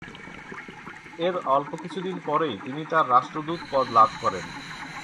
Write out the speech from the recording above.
এর অল্প কিছুদিন পরেই তিনি তাঁর রাষ্ট্রদূত পদ লাভ করেন।